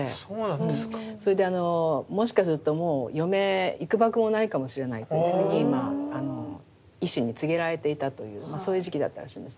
それでもしかするともう余命いくばくもないかもしれないというふうに医師に告げられていたというそういう時期だったらしいんですね。